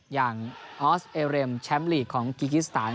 ออสเอเรมแชมป์ลีกของกิกิสถาน